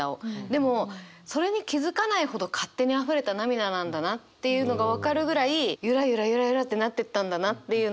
でもそれに気付かないほど勝手にあふれた涙なんだなっていうのが分かるぐらいゆらゆらゆらゆらってなってったんだなっていうのが分かって。